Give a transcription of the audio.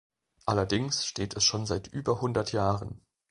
Allerdings steht es schon seit über hundert Jahren.